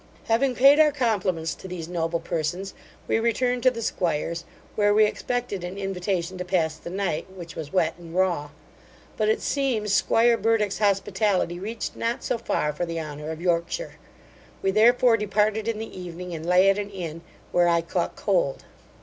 Having paid our compliments to these noble persons, we returned to the 'squire's, where we expected an invitation to pass the night, which was wet and raw; but it seems, 'squire Burdock's hospitality reached not so far for the honour of Yorkshire; we therefore departed in the evening, and lay at an inn, where I caught cold.